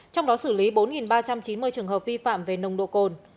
trong đó xử lý bốn ba trăm chín mươi trường hợp vi phạm về nồng độ cồn